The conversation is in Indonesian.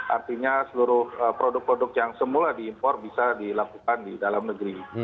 artinya seluruh produk produk yang semula diimpor bisa dilakukan di dalam negeri